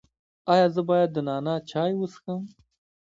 ایا زه باید د نعناع چای وڅښم؟